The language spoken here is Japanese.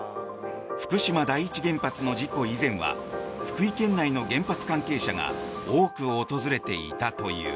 福島第一原発の事故以前は福井県内の原発関係者が多く訪れていたという。